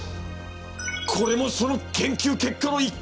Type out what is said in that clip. これもその研究結果の一環だな。